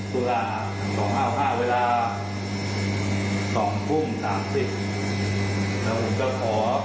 เวลาสองห้าห้าเวลาสองกุ้งสามสิบ